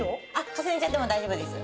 重ねちゃっても大丈夫です。